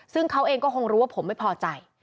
ซึ่งเขาเองก็คงรู้ว่าผมไม่พอใจ